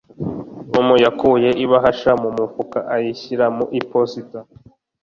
tom yakuye ibahasha mu mufuka ayishyira mu iposita